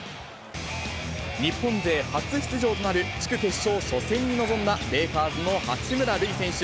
日本勢初出場となる地区決勝初戦に臨んだ、レイカーズの八村塁選手。